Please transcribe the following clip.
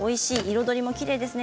彩りもきれいですね。